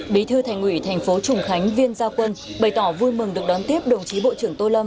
bí thư thành ủy thành phố trùng khánh viên gia quân bày tỏ vui mừng được đón tiếp đồng chí bộ trưởng tô lâm